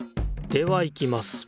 ではいきます。